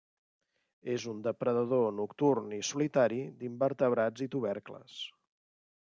És un depredador nocturn i solitari d'invertebrats i tubercles.